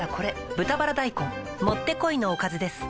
「豚バラ大根」もってこいのおかずです